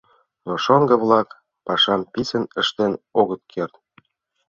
Но шоҥго-влак пашам писын ыштен огыт керт.